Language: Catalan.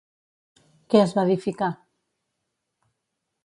Què es va edificar?